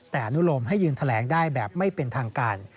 แต่อนุโลมให้ยืนแถลงได้แบบไม่เป็นทางการ